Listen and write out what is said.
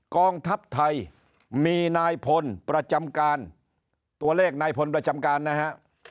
กองทัพไทยมีนายพลประจำการตัวเลขนายพลประจำการนะฮะ